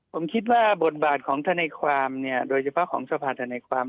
ผมคิดว่าบทบาทของธนไฟความโดยเฉพาะของสภาษณ์ธนไฟความ